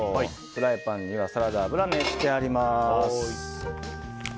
フライパンにはサラダ油が熱してあります。